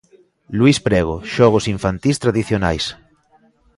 Luis Prego: Xogos infantís tradicionais.